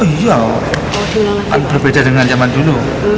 oh iya akan berbeda dengan zaman dulu